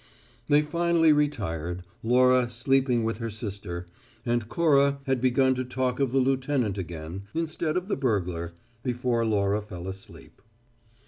They finally retired, Laura sleeping with her sister, and Cora had begun to talk of the lieutenant again, instead of the burglar, before Laura fell asleep.